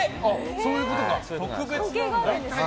そういうことか。